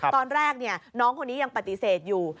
ตอนแรกน้องคนนี้ยังปฏิเสธอยู่